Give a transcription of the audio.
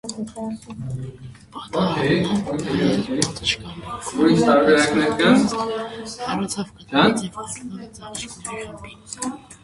Պատահմամբ նայեց պատշգամբի կողմը , տեսավ ինձ, հեռացավ կտուրից և խառնվեց աղջիկների խմբին: